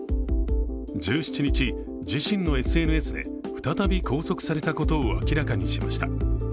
１７日、自身のＳＮＳで再び拘束されたことを明らかにしました。